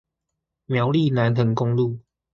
苗栗南橫公路